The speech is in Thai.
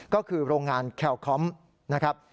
ก็คือโรงงานแคลคอมนะครับ